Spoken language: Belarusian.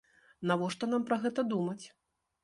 Навошта нам пра гэта думаць?